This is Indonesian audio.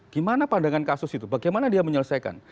gimana pandangan kasus itu bagaimana dia menyelesaikan